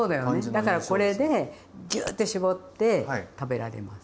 だからこれでぎゅって絞って食べられます。